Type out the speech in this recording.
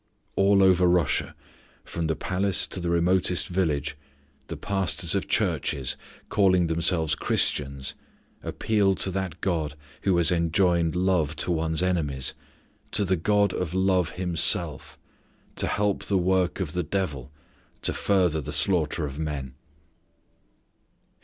All over Russia, from the Palace to the remotest village, the pastors of churches, calling themselves Christians, appeal to that God who has enjoined love to one's enemies to the God of Love Himself to help the work of the devil to further the slaughter of men.